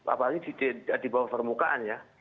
apalagi di bawah permukaannya